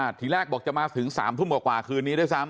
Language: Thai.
วันที่แรกบอกจะมาถึง๓ทุ่มขวะคืนนี้เนี่ยด้วยซ้ำ